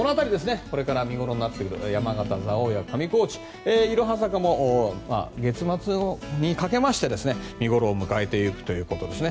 これから見ごろになってくるのが山形の蔵王や上高地いろは坂も月末にかけて見ごろを迎えていくということですね。